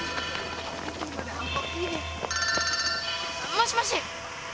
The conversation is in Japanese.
もしもし。